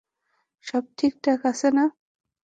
সব ঠিকঠাক আছে, না?